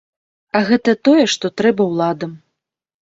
А гэта тое, што трэба ўладам.